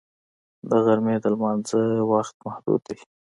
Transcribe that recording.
د غرمې د لمانځه وخت محدود دی